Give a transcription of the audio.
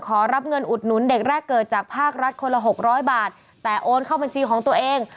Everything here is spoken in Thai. ขอรับเงินอุดหนุนเด็กแรกเกิดจากภาครัฐคนละ๖๐๐บาทแต่โอนเข้าบัญชีของตัวเอง